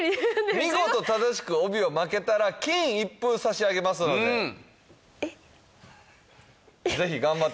見事正しく帯を巻けたら金一封差し上げますのでえっえっ？